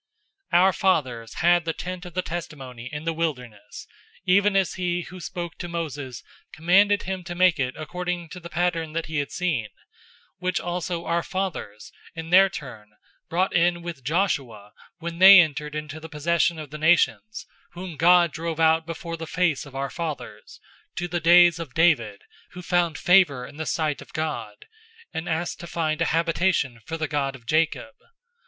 007:044 "Our fathers had the tent of the testimony in the wilderness, even as he who spoke to Moses commanded him to make it according to the pattern that he had seen; 007:045 which also our fathers, in their turn, brought in with Joshua when they entered into the possession of the nations, whom God drove out before the face of our fathers, to the days of David, 007:046 who found favor in the sight of God, and asked to find a habitation for the God of Jacob.